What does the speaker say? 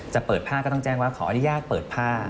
เปิดผ้าก็ต้องแจ้งว่าขออนุญาตเปิดผ้า